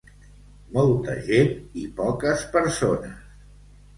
Molta gent i poques persones!